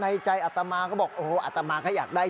โอ้โหโอ้โหโอ้โหโอ้โห